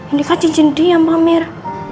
ini kan cincin dia mbak mir